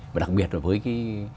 và đặc biệt là với